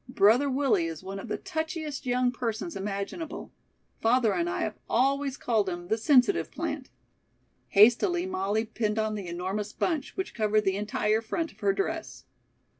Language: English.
Brother Willie is one of the touchiest young persons imaginable. Father and I have always called him 'the sensitive plant.'" Hastily Molly pinned on the enormous bunch, which covered the entire front of her dress.